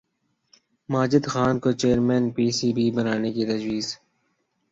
ماجد خان کو chairman P C B بنانے کی تجویز